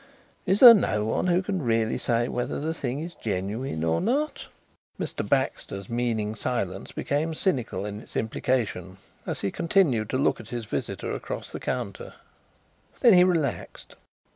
Is there no one who can really say whether the thing is genuine or not?" Mr. Baxter's meaning silence became cynical in its implication as he continued to look at his visitor across the counter. Then he relaxed.